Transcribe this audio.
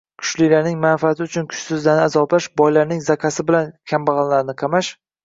kuchlilarning manfaati uchun kuchsizlarni azoblash, boylarning “zakazi” bilan kambag‘allarni qamash